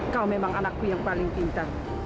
kau memang anakku yang paling pintar